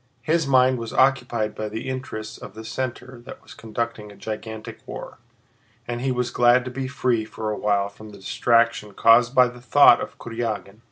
His mind was occupied by the interests of the center that was conducting a gigantic war, and he was glad to be free for a while from the distraction caused by the thought of Kurágin.